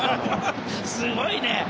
すごいね。